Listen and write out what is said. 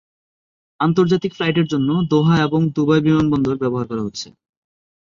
আন্তর্জাতিক ফ্লাইট এরজন্য দোহা এবং দুবাই বিমানবন্দর ব্যবহার করা হচ্ছে।